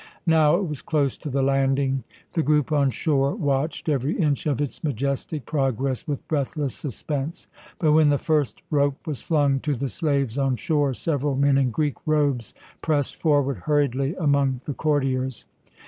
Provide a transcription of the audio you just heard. Now it was close to the landing. The group on shore watched every inch of its majestic progress with breathless suspense, but when the first rope was flung to the slaves on shore several men in Greek robes pressed forward hurriedly among the courtiers.